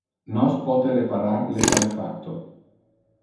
Nos pote reparar le calefactor.